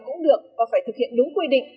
cũng được và phải thực hiện đúng quy định